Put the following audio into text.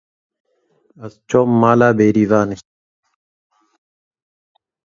Ez çûm mala Bêrîvanê